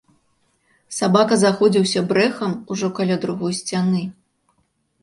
Сабака заходзіўся брэхам ужо каля другой сцяны.